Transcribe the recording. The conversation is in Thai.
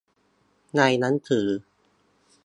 ในหนังสือ